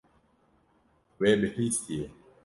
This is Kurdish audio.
We bihîstiye.